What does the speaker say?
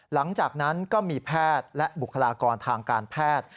หลังจากนั้นก็มีแพทย์และบุคลากรทางการแพทย์